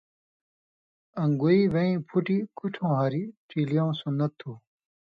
ان٘گُوْئ وَیں پھُٹیۡ کُوٹھؤں ہاریۡ ڇیلیؤں سُنّت تھُو۔